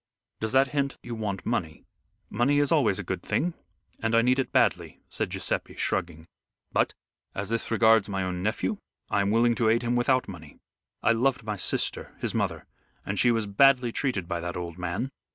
"Does that hint you want money?" "Money is always a good thing, and I need it badly," said Guiseppe shrugging, "but, as this regards my own nephew, I am willing to aid him without money. I loved my sister, his mother, and she was badly treated by that old man!"